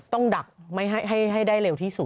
ดักให้ได้เร็วที่สุด